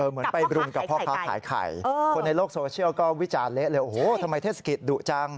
เหมือนไปรุมกับพ่อค้าขายไข่คนในโลกโซเชียลก็วิจารณ์เละเลยโอ้โหทำไมเทศกิจดุจัง